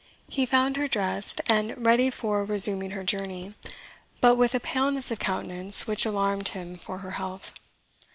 He found her dressed, and ready for resuming her journey, but with a paleness of countenance which alarmed him for her health.